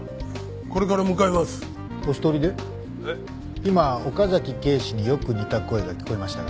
今岡崎警視によく似た声が聞こえましたが。